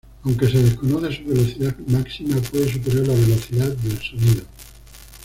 Aunque se desconoce su velocidad máxima, puede superar la velocidad del sonido.